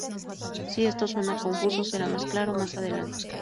Si esto suena confuso será más claro más adelante.